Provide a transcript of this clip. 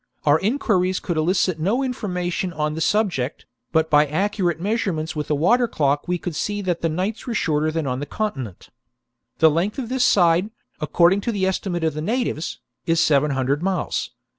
^ Our enquiries could elicit no information on the subject, but by accurate measurements with a water clock we could see that the nights were shorter than on' the con tinent. The length of this side, according to the estimate of the natives, is seven hundred miles.